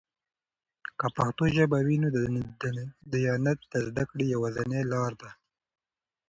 که پښتو ژبه وي، نو دیانت د زده کړې یوازینۍ لاره ده.